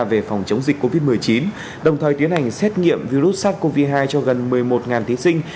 về phòng chống dịch covid một mươi chín đồng thời tiến hành xét nghiệm virus sars cov hai cho gần một mươi một thí sinh